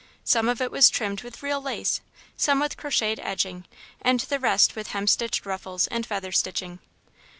Some of it was trimmed with real lace, some with crocheted edging, and the rest with hemstitched ruffles and feather stitching.